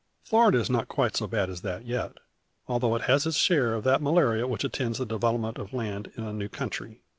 Florida is not quite so bad as that yet, although it has its share of that malaria which attends the development of land in a new country.